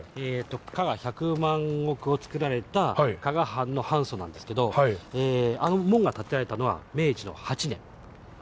加賀百万石をつくられた加賀藩の藩祖なんですけどあの門が建てられたのは明治の８年。